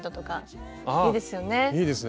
いいですね。